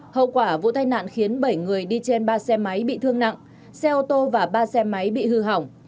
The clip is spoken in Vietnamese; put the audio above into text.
hậu quả vụ tai nạn khiến bảy người đi trên ba xe máy bị thương nặng xe ô tô và ba xe máy bị hư hỏng